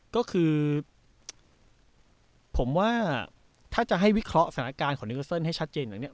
ก็คือผมว่าถ้าจะให้วิเคราะห์สถานการณ์ของนิเกอร์เซิลให้ชัดเจนอย่างนี้